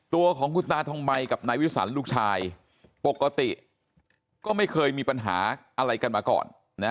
ตัวของคุณตาทองใบกับนายวิสันลูกชายปกติก็ไม่เคยมีปัญหาอะไรกันมาก่อนนะ